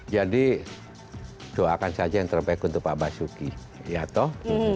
jadi doakan saja yang terbaik untuk pak basuki ya toh